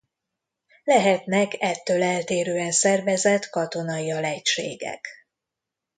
Lehetnek ettől eltérően szervezett katonai alegységek.